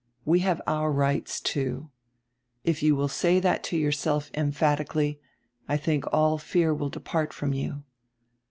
We have our rights, too. If you will say that to yourself emphatically, I think all fear will depart from you.